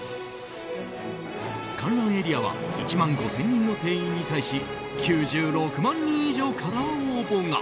観覧エリアは１万５０００人の定員に対し９６万人以上から応募が。